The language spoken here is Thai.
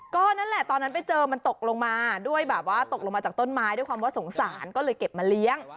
ก็นั่นแหละตอนนั้นไปเจอมันตกลงมาด้วยแบบว่าตกลงมาจากต้นไม้ด้วยความว่าสงสารก็เลยเก็บมาเลี้ยง